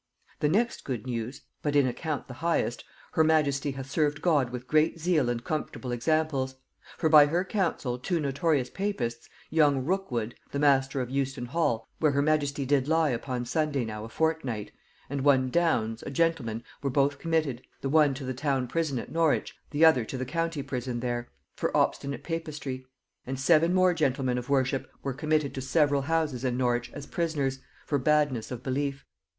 "The next good news, (but in account the highest) her majesty hath served God with great zeal and comfortable examples; for by her council two notorious papists, young Rookwood (the master of Euston hall, where her majesty did lie upon Sunday now a fortnight) and one Downes, a gentleman, were both committed, the one to the town prison at Norwich, the other to the county prison there, for obstinate papistry; and seven more gentlemen of worship were committed to several houses in Norwich as prisoners....for badness of belief.